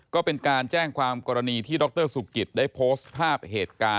ก็เป็นการแจ้งความกรณีที่ดรสุกิตได้โพสต์ภาพเหตุการณ์